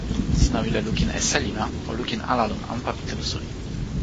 sina wile lukin e seli la o lukin ala lon anpa pi telo suli.